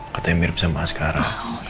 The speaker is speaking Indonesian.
katanya mirip sama askara